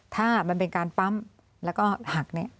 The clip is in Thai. ถ้ามันเป็นการปั๊มแล้วก็หักเนี่ย